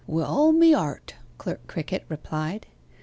'Wi' all my heart,' Clerk Crickett replied.